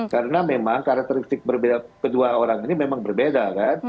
karena memang karakteristik kedua orang ini memang berbeda